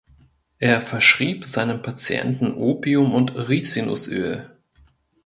Er verschrieb seinem Patienten Opium und Rizinusöl.